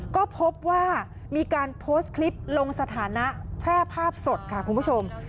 ก็พบว่ามีการโพสต์คลิปลงสถานะแพร่ภาพสดค่ะคุณผู้ชม